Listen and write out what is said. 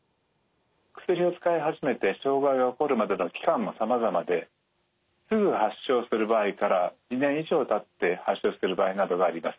薬を使い始めて障害が起こるまでの期間もさまざまですぐ発症する場合から２年以上たって発症してる場合などがあります。